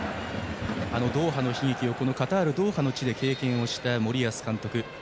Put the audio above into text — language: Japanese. ドーハの悲劇をカタール・ドーハで経験をした森保監督。